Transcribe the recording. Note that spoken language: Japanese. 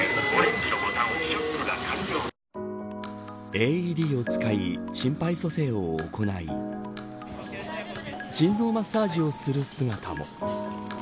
ＡＥＤを使い心肺蘇生を行い心臓マッサージをする姿も。